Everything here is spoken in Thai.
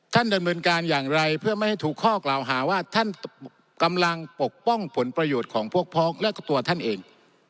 ท่านดำเนินการอย่างไรเพื่อไม่ให้ถูกข้อกล่าวหาว่าท่านกำลังปกป้องผลประโยชน์ของพวกพ้องและตัวท่านเอง